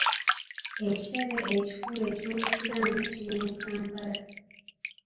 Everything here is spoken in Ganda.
Ekitebe ekikulu eky'Obusiraamu kiri mu Kampala.